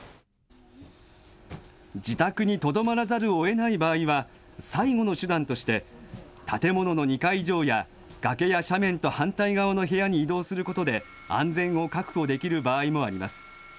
自宅にとどまらざるをえない場合は、最後の手段として、建物の２階以上や、崖や斜面と反対側の部屋に移動することで、安全を確保できる場合もあります。